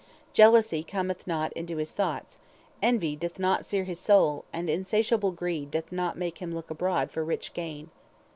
Jealousy cometh not into his thoughts, envy doth not sear his soul, and insatiable greed doth not make him look abroad for rich gain.